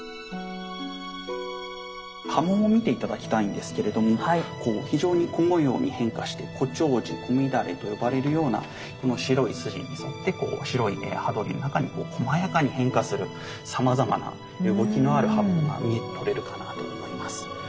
刃文を見て頂きたいんですけれども非常に小模様に変化して小丁子小乱と呼ばれるようなこの白い筋に沿ってこう白い刃取りの中にこうこまやかに変化するさまざまな動きのある刃文が見て取れるかなと思います。